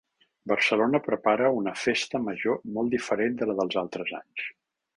Barcelona prepara una festa major molt diferent de la dels altres anys.